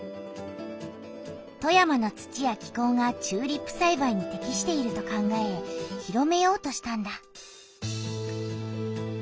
富山の土や気こうがチューリップさいばいにてきしていると考え広めようとしたんだ。